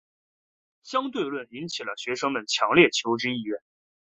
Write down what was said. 相对论引起了学生们的强烈求知意愿。